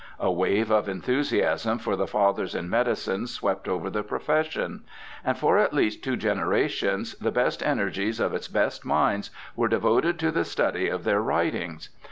A wave of enthusiasm for the fathers in medicine swept over the profession ; and for at least two generations the best energies of its best minds were devoted to the study of their writings.